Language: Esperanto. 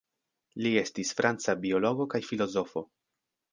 Li estis franca biologo kaj filozofo.